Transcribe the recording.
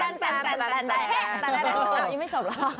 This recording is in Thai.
ยังไม่จบแล้ว